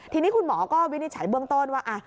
ทีนี้คุณหมอก็วินิจฉัยเบื้องต้นว่า